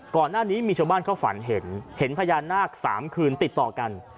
ก่อนหน้านี้มีชาวบ้านเขาฝันเห็นเห็นพญานาค๓คืนติดต่อกัน